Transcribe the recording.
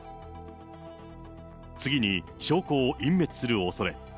次に、証拠を隠滅するおそれ。